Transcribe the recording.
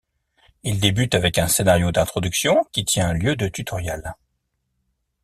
Il débute avec un scénario d’introduction, qui tient lieu de tutorial.